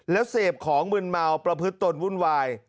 แล้วเสพของมืนเมาประพฤติตนวุ่นวาย